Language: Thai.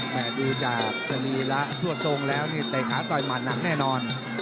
ดูจากสรีระทั่วทรงแล้วนี่เตะขาต่อยหมัดหนักแน่นอน